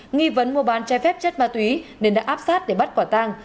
nghi vấn mua bán chai phép chất ma túy nên đã áp sát để bắt quả tang